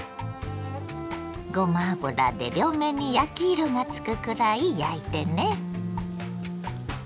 ごま油で両面に焼き色がつくくらい焼いてね。